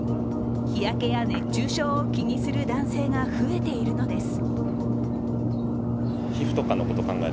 日焼けや、熱中症を気にする男性が増えているのです。